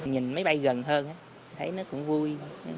nhìn máy bay gần hơn thấy nó cũng vui